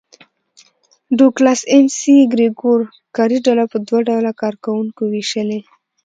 ډوګلاس اېم سي ګرېګور کاري ډله په دوه ډوله کار کوونکو وېشلې.